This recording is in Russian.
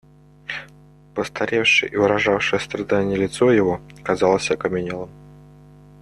Постаревшее и выражавшее страдание лицо его казалось окаменелым.